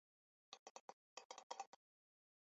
槲蕨是水龙骨科槲蕨属下的一个种。